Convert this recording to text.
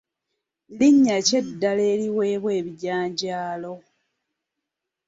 Linnya ki eddala eriweebwa ebijanjaalo?